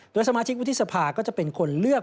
โดยสมาชิกวุฒิสภาก็จะเป็นคนเลือก